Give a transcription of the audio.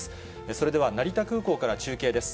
それでは成田空港から中継です。